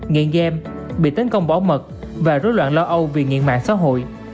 nghiện game bị tấn công bảo mật và rối loạn lo âu vì nghiện mạng xã hội